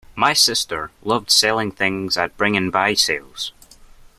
My sister loves selling things at Bring and Buy sales